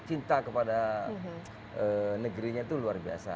cinta kepada negerinya itu luar biasa